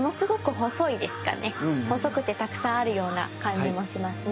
細くてたくさんあるような感じもしますね。